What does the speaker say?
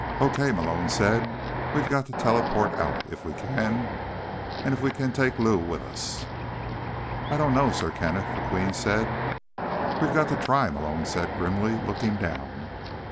"Okay," Malone said. "We've got to teleport out, if we can—and if we can take Lou with us." "I don't know, Sir Kenneth," the Queen said. "We've got to try," Malone said grimly, looking down.